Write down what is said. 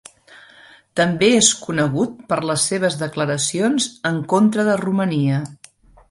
També és conegut per les seves declaracions en contra de Romania.